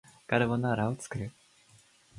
カルボナーラを作る